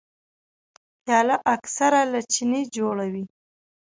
پیاله اکثره له چیني جوړه وي.